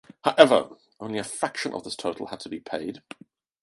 However, only a fraction of this total had to be paid.